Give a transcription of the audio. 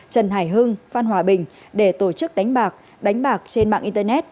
trần hải hưng phan hòa bình để tổ chức đánh bạc đánh bạc trên mạng internet